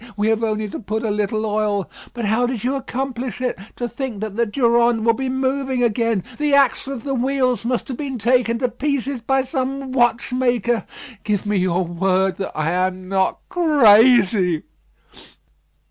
We have only to put a little oil. But how did you accomplish it? To think that the Durande will be moving again. The axle of the wheels must have been taken to pieces by some watchmaker. Give me your word that I am not crazy."